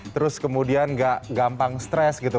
terus kemudian tidak gampang stress gitu